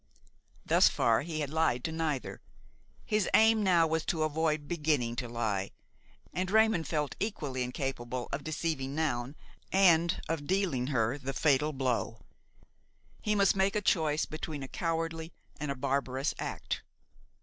Thus far he had lied to neither. His aim now was to avoid beginning to lie, and Raymon felt equally incapable of deceiving Noun and of dealing her the fatal blow. He must make a choice between a cowardly and a barbarous act.